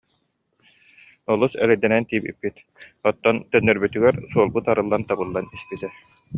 Олус эрэйдэнэн тиийбиппит, оттон төннөрбүтүгэр суолбут арыллан, табыллан испитэ